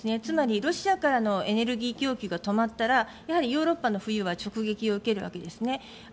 つまり、ロシアからのエネルギー供給が止まったらやはりヨーロッパの冬は直撃を受けるわけですね。